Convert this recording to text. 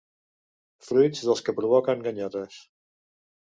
Fruits dels que provoquen ganyotes.